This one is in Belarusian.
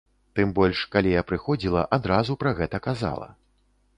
Тым больш, калі я прыходзіла, адразу пра гэта казала.